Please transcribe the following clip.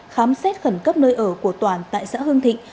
khám xét khẩn cấp nơi ở của toản tại xã hưng thịnh